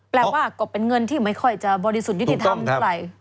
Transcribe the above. แปลว่าก็เป็นเงินที่ไม่ค่อยจะบริสุทธิ์ที่ที่ทำไหล